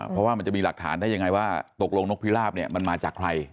เพราะว่ามันจะมีหลักฐานได้ยังไงว่าตกลงนกพิราบเนี่ยมันมาจากใคร